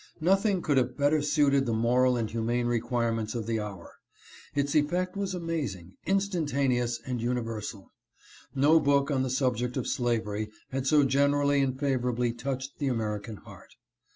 Nothing could have better suited the moral and humane requirements of the hour. Its effect was amazing, instantaneous, and universal. No book on the subject of slavery had so generally and favorably touched the American heart.